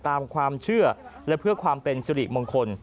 ตามความเชื่อและเพื่อความเป็นสิริมงคล